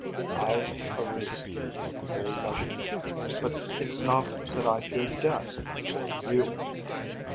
"I've a reason," very measuredly, "but it's not that I fear death, or you."